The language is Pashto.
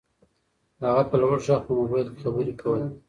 هغه په لوړ غږ په موبایل کې خبرې کولې.